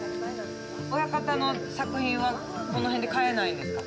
親方の作品はこの辺で買えないんですか。